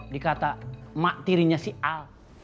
dikata emak tirinya si al